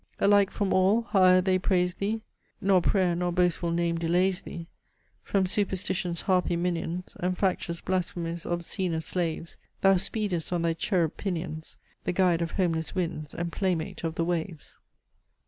Alike from all, howe'er they praise thee, (Nor prayer nor boastful name delays thee) From Superstition's harpy minions And factious Blasphemy's obscener slaves, Thou speedest on thy cherub pinions, The guide of homeless winds and playmate of the waves!